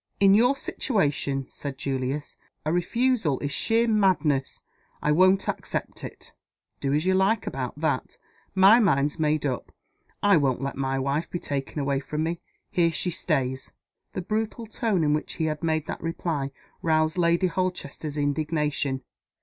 "In your situation," said Julius, "a refusal is sheer madness. I won't accept it." "Do as you like about that. My mind's made up. I won't let my wife be taken away from me. Here she stays." The brutal tone in which he had made that reply roused Lady Holchester's indignation.